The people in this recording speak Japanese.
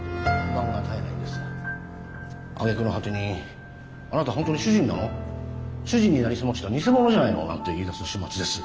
あげくの果てに「あなた本当に主人なの？主人になりすました偽者じゃないの？」なんて言いだす始末です。